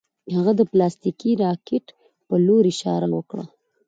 هغه د پلاستیکي راکټ په لور اشاره وکړه